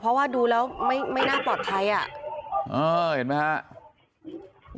เพราะว่าดูแล้วไม่ไม่น่าปลอดภัยอ่ะเออเห็นไหมฮะ